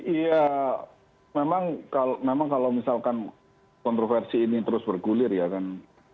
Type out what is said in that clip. iya memang kalau misalkan kontroversi ini terus bergulir ya kan